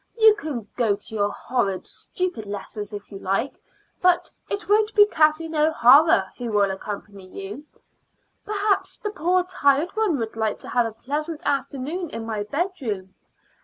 You can go to your horrid, stupid lessons if you like, but it won't be Kathleen O'Hara who will accompany you. Perhaps the poor tired one would like to have a pleasant afternoon in my bedroom.